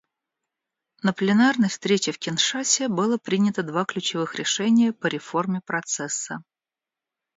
На пленарной встрече в Киншасе было принято два ключевых решения по реформе Процесса.